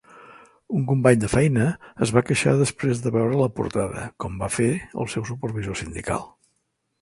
Un company de feina es va queixar després de veure la portada, com va fer el seu supervisor sindical.